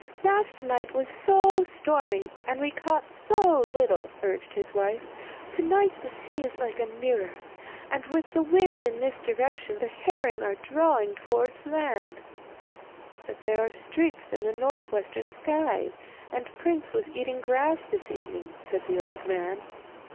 'Last night was so stormy, and we caught so little,' urged his wife; 'to night the sea is like a mirror, and with the wind in this direction the herring are drawing towards land.' 'But there are streaks in the north western sky, and Prince was eating grass this evening,' said the old man.